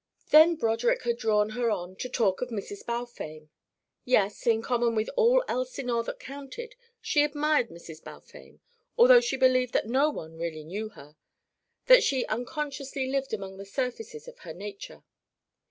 Then Broderick had drawn her on to talk of Mrs. Balfame. Yes, in common with all Elsinore that counted, she admired Mrs. Balfame, although she believed that no one really knew her, that she unconsciously lived among the surfaces of her nature.